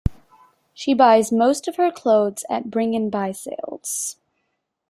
She buys most of her clothes at Bring and Buy sales